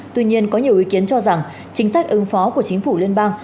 tuy nhiên có nhiều ý kiến cho rằng chính sách ứng phó của chính phủ liên bang